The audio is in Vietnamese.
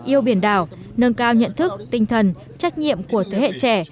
yêu biển đảo nâng cao nhận thức tinh thần trách nhiệm của thế hệ trẻ